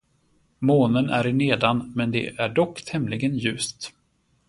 Månen är i nedan men det är dock tämligen ljust.